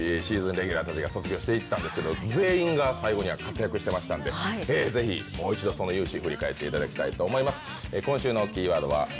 レギュラーたちが卒業していったんですけど、全員が最後には活躍してましたんでぜひもう一度その雄姿振り返っていただきたいと思います。